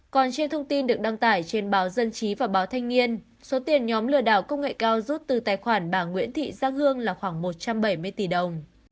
còn trên thông tin được đăng tải trên báo dân trí và báo thanh niên số tiền nhóm lừa đảo công nghệ cao rút từ tài khoản bà nguyễn thị giang hương là khoảng một trăm bảy mươi tỷ đồng